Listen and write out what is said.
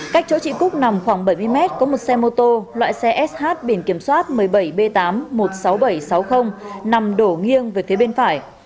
cách chỗ chị cúc nằm khoảng bảy mươi mét có một xe mô tô loại xe sh biển kiểm soát một mươi bảy b tám một mươi sáu nghìn bảy trăm sáu mươi nằm đổ nghiêng về phía bên phải